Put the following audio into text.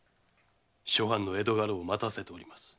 諸藩の江戸家老を待たせております。